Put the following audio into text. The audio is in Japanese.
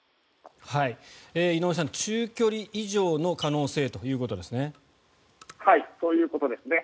井上さん、中距離以上の可能性ということですね。